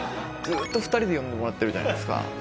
ずっと２人で呼んでもらってるじゃないですか。